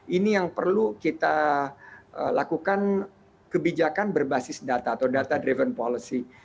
ini yang perlu kita lakukan kebijakan berbasis data atau data driven policy